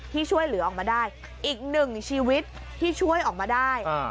ที่ช่วยเหลือออกมาได้อีกหนึ่งชีวิตที่ช่วยออกมาได้